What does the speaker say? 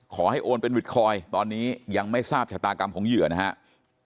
โอนเป็นวิตคอยตอนนี้ยังไม่ทราบชะตากรรมของเหยื่อนะครับ